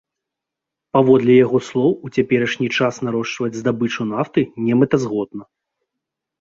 Паводле яго слоў, у цяперашні час нарошчваць здабычу нафты немэтазгодна.